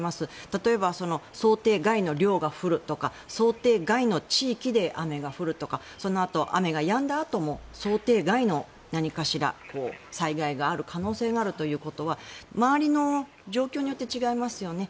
例えば、想定外の量が降るとか想定外の地域で雨が降るとかそのあと、雨がやんだあとも想定外の何かしら災害がある可能性があるということは周りの状況によって違いますよね。